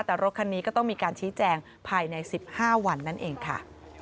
แต่รถคันนี้ก็ต้องมีการชี้แจงภายใน๑๕วันนั่นเองค่ะ